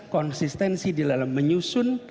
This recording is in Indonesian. konsistensi di dalam menyusun